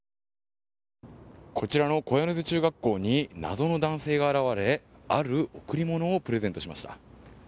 こちらの木屋瀬中学校にある男性が現れある贈り物をプレゼントしました。